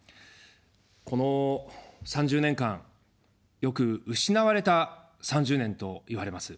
この３０年間、よく失われた３０年といわれます。